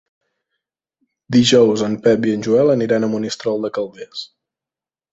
Dijous en Pep i en Joel aniran a Monistrol de Calders.